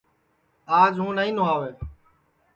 آج ہوں نائی نھواوے